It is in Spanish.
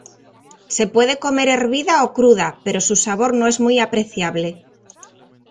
Se puede comer hervida o cruda, pero su sabor no es muy apreciable.